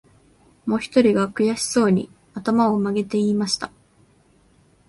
もひとりが、くやしそうに、あたまをまげて言いました